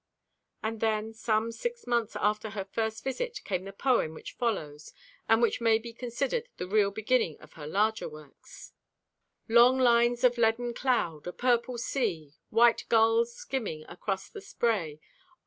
And then, some six months after her first visit, came the poem which follows, and which may be considered the real beginning of her larger works: Long lines of leaden cloud; a purple sea; White gulls skimming across the spray.